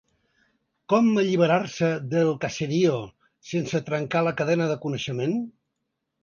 Com alliberar-se del ‘caserio’ sense trencar la cadena de coneixement ?